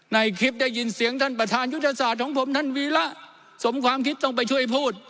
ในคลิปได้ยินเสียงท่านประธานยุทธศาสตร์ของผมท่านวีระสมความคิดต้องไปช่วยพูด